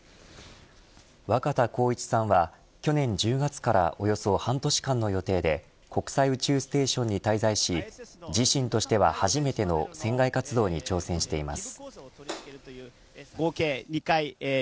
若田光一さんは去年１０月からおよそ半年間の予定で国際宇宙ステーションに滞在し自身としては初めての船外活動に挑戦しています。